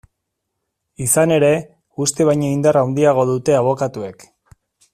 Izan ere, uste baino indar handiagoa dute abokatuek.